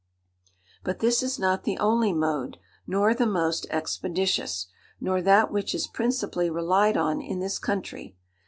"But this is not the only mode, nor the most expeditious, nor that which is principally relied on in this country.